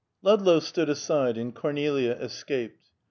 Ludlow stood aside and Cornelia escaped.